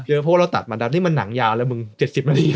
คือเราตัดมันก็เรายากหนังใหญ่เจ็บสิบนาที